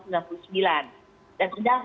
dan sudah ada juga hukuman tanah